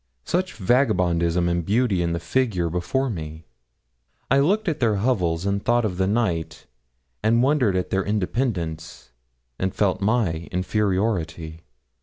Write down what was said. Such vagabondism and beauty in the figure before me! I looked at their hovels and thought of the night, and wondered at their independence, and felt my inferiority.